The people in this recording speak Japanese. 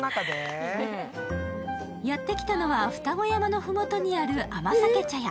やって来たのは、二子山のふもとにある甘酒茶屋。